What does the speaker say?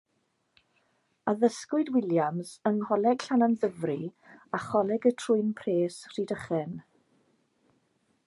Addysgwyd Williams yng Ngholeg Llanymddyfri a Choleg y Trwyn Pres, Rhydychen.